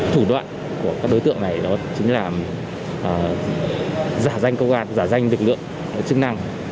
thủ đoạn của các đối tượng này đó chính là giả danh công an giả danh lực lượng chức năng